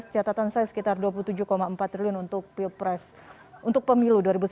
dua ribu sembilan belas catatan saya sekitar rp dua puluh tujuh empat triliun untuk pemilu dua ribu sembilan belas